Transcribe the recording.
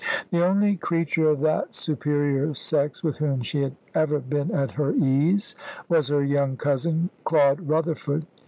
The only creature of that superior sex with whom she had ever been at her ease was her young cousin, Claude Rutherford.